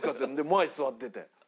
前座ってて。